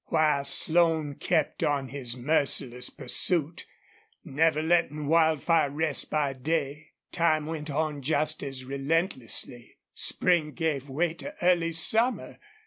While Slone kept on his merciless pursuit, never letting Wildfire rest by day, time went on just as relentlessly. Spring gave way to early summer.